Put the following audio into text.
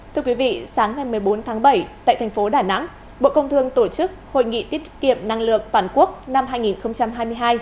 thưa quý vị sáng ngày một mươi bốn tháng bảy tại thành phố đà nẵng bộ công thương tổ chức hội nghị tiết kiệm năng lượng toàn quốc năm hai nghìn hai mươi hai